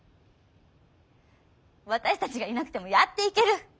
私たちがいなくてもやっていける。